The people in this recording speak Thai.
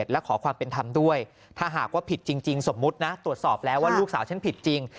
และขอความเป็นธรรมด้วยถ้าหากว่าผิดจริงสมมุตินะตรวจสอบแล้วว่าลูกสาวฉันผิดจริง